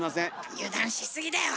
油断しすぎだよ。